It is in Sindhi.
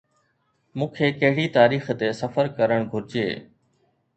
مون کي ڪهڙي تاريخ تي سفر ڪرڻ گهرجي؟